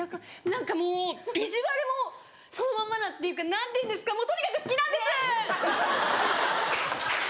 何かもうビジュアルもそのままなっていうか何ていうんですかもうとにかく好きなんです！